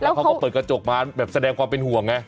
เขาก็เปิดกระจกมาแบบแสดงความเป็นห่วงไง